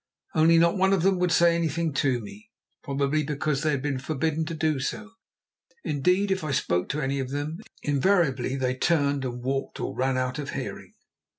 Only, not one of them would say anything to me, probably because they had been forbidden to do so. Indeed, if I spoke to any of them, invariably they turned and walked or ran out of hearing.